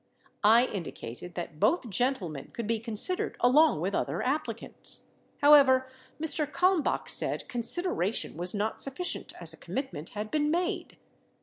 I indicated that both gentleman could be considered along with other applicants. However, Mr. Kalmbach said consideration was not sufficient as a commit ment had been made.